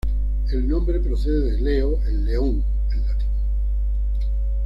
El nombre procede de "leo", el león, en latín.